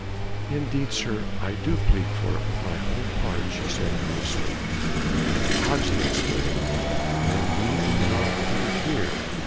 "Indeed, sir, I do plead for it with my whole heart," she said earnestly. "Ye gods!" he exclaimed, "an ye do not interfere!"